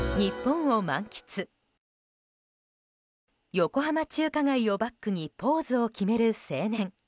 横浜中華街をバックにポーズを決める青年。